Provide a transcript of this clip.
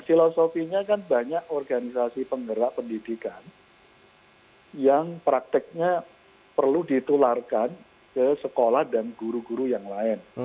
filosofinya kan banyak organisasi penggerak pendidikan yang prakteknya perlu ditularkan ke sekolah dan guru guru yang lain